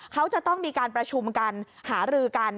เขาจะต้องมีการประชุมกันหารือกัน